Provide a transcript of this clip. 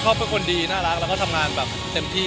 เขาเป็นคนดีน่ารักทำงานเต็มที่